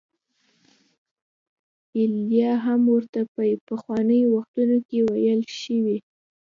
ایلیا هم ورته په پخوانیو وختونو کې ویل شوي.